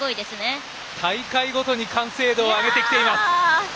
大会ごとに完成度を上げてきています。